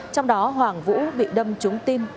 trong đó hoàng vũ bị đâm trúng tim